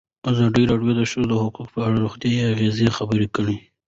ازادي راډیو د د ښځو حقونه په اړه د روغتیایي اغېزو خبره کړې.